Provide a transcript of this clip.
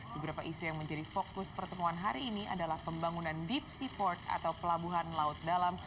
beberapa isu yang menjadi fokus pertemuan hari ini adalah pembangunan deep seaport atau pelabuhan laut dalam